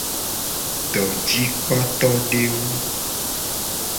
Dojikpotodewo.